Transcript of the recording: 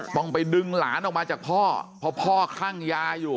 ต้องไปดึงหลานออกมาจากพ่อเพราะพ่อคลั่งยาอยู่